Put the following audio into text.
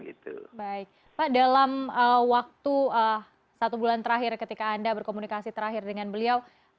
baik pak dalam waktu satu bulan terakhir ketika anda berkomunikasi terakhir dengan beliau